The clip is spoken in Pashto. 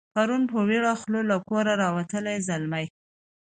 پرون په ویړه خوله له کوره راوتلی زلمی